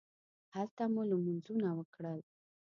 هلته مو لمونځونه وکړل.